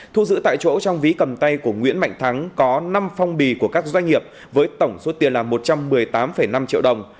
thu giữ tại chỗ trong ví cầm tay của nguyễn mạnh thắng có năm phong bì của các doanh nghiệp với tổng số tiền là một trăm một mươi tám năm triệu đồng